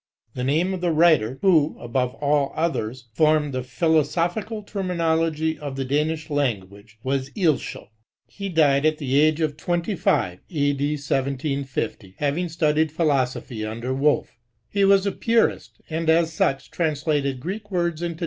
The name of the writer who, above all others, formed the philosophical terminology of the Danish language, was Eilschow. He died at the age of twenty five, A.D. 1760; having studied philosophy under WolfF. He was a purist, and, as such, translated Greek words into.